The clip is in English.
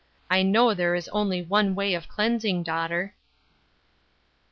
I know there is only one way of cleansing, daughter."